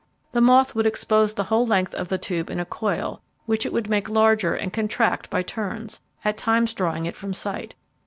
The moth would expose the whole length of the tube in a coil, which it would make larger and contract by turns, at times drawing it from sight.